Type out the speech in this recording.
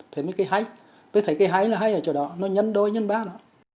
thế mới cái hay tôi thấy cái hay là hay ở chỗ đó nó nhân đôi nhân ba đó